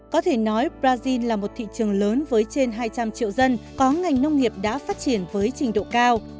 có thể nói brazil là một thị trường lớn với trên hai trăm linh triệu dân có ngành nông nghiệp đã phát triển với trình độ cao